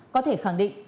có thể khẳng định